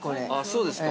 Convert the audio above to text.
◆そうですか。